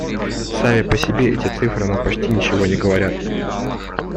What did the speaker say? Сами по себе эти цифры нам почти ничего не говорят.